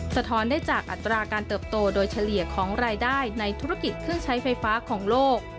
สะท้อนได้จากอัตราการเติบโตโดยเฉลี่ยของรายได้ในธุรกิจเครื่องใช้ไฟฟ้าของโลก